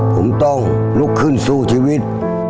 ผมต้องลุกขึ้นสู้ชีวิต